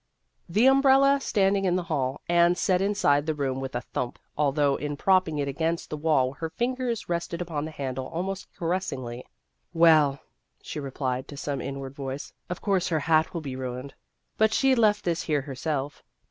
The umbrella, standing in the hall, Anne set inside the room with a thump, although in propping it against the wall her fingers rested upon the handle almost caressingly. " Well," she replied to some inward voice, " of course, her hat will be ruined. But she left this here herself."